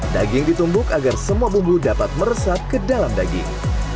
daging ditumbuk agar semua bumbu dapat meresap ke dalam daging